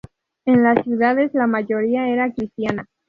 En las ciudades, la mayoría era cristiana.